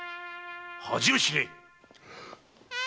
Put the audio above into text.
恥を知れ‼